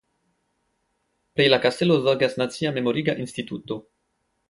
Pri la kastelo zorgas Nacia memoriga instituto.